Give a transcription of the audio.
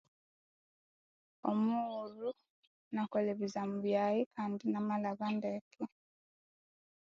Omughulhu nakolha ebizamu byayi um namalhaba ndeke